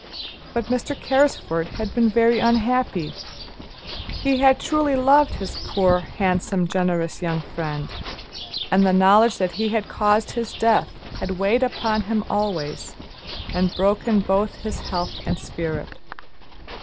But Mr. Carrisford had been very unhappy. He had truly loved his poor, handsome, generous young friend, and the knowledge that he had caused his death had weighed upon him always, and broken both his health and spirit.